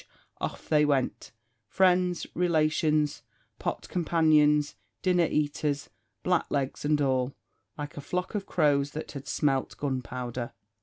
off they went, friends, relations, pot companions, dinner eaters, black legs, and all, like a flock of crows that had smelt gunpowder.